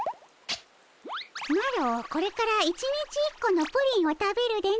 マロこれから１日１個のプリンを食べるでの。